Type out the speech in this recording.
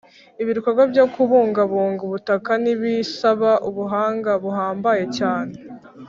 ibikorwa byo kubungabunga ubutaka ntibisaba ubuhanga buhambaye cyane